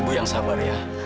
ibu yang sabar ya